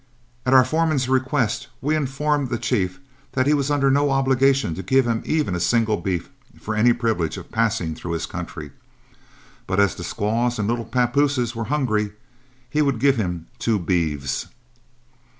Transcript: At our foreman's request we then informed the chief that he was under no obligation to give him even a single beef for any privilege of passing through his country, but as the squaws and little papooses were hungry, he would give him two beeves.